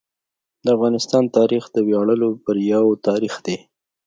د افغانستان تاریخ د ویاړلو بریاوو تاریخ دی.